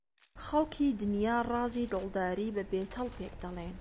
خەڵکی دنیا ڕازی دڵداری بە بێتەل پێک دەڵێن